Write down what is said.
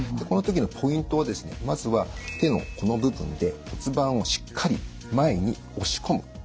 この時のポイントはまずは手のこの部分で骨盤をしっかり前に押し込む。